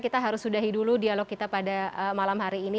kita harus sudahi dulu dialog kita pada malam hari ini